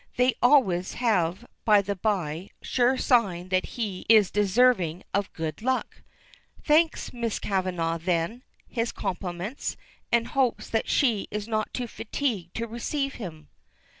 They always have, by the by sure sign that he is deserving of good luck. Thanks. Miss Kavanagh, then. His compliments, and hopes that she is not too fatigued to receive him.